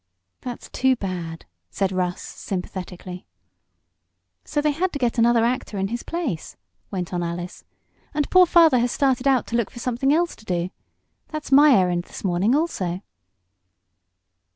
"That's too bad," said Russ, sympathetically. "So they had to get another actor in his place," went on Alice, "and poor father has started out to look for something else to do. That's my errand this morning, also."